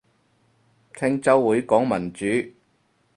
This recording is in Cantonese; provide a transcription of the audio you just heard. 聽週會講民主